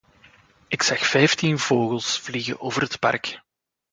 Ik zag vijftien vogels vliegen over het park.